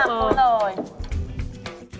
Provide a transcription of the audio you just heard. อืมอืมอืม